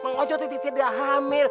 mang ojo tidak hamil